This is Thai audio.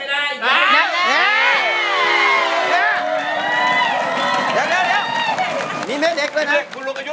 เราหาคนอย่างงี้มาได้แล้ว